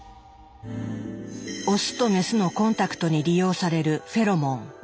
オスとメスのコンタクトに利用されるフェロモン。